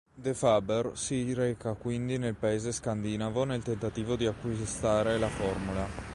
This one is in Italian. De Faber si reca quindi nel paese scandinavo nel tentativo di acquistare la formula.